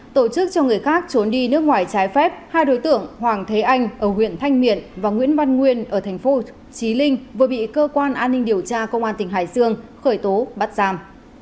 tổ chức cho người khác trốn đi nước ngoài trái phép hai đối tượng hoàng thế anh ở huyện thanh miện và nguyễn văn nguyên ở tp trí linh vừa bị cơ quan an ninh điều tra công an tỉnh hải dương khởi tố bắt giam